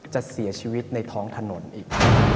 จะเสียชีวิตในท้องถนนอีก